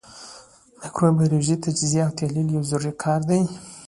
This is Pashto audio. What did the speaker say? مایکروبیولوژیکي تجزیه او تحلیل یو ضروري کار دی.